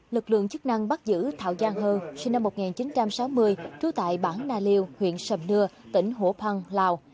lực lượng chức năng bắt giữ thảo giang hơ sinh năm một nghìn chín trăm sáu mươi trú tại bãng na liêu huyện sầm nưa tỉnh hồ phan lào